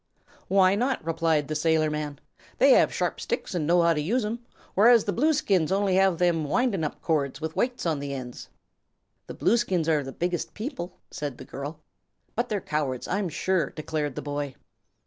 "Why not?" replied the sailorman. "They have sharp sticks, an' know how to use 'em, whereas the Blueskins have only them windin' up cords, with weights on the ends." "The Blueskins are the biggest people," said the girl. "But they're cowards, I'm sure," declared the boy.